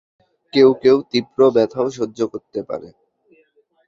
কেউ কেউ তীব্র ব্যথাও সহ্য করতে পারে।